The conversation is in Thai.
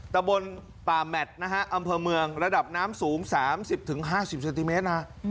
ตะบนป่าแมทนะฮะอำเภอเมืองระดับน้ำสูง๓๐๕๐เซนติเมตรนะ